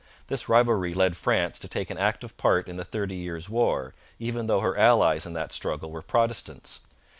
This rivalry led France to take an active part in the Thirty Years' War, even though her allies in that struggle were Protestants.